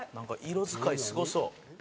色使いすごそう。